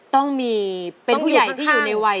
ต้องมีเป็นผู้ใหญ่ที่อยู่ในวัย